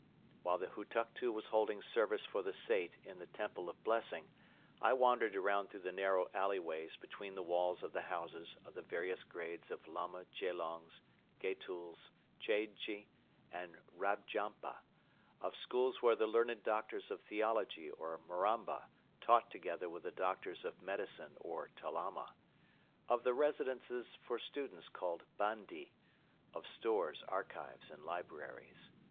While the Hutuktu was holding service for the Sait in the Temple of Blessing, I wandered around through the narrow alleyways between the walls of the houses of the various grades of Lama Gelongs, Getuls, Chaidje and Rabdjampa; of schools where the learned doctors of theology or Maramba taught together with the doctors of medicine or Ta Lama; of the residences for students called Bandi; of stores, archives and libraries.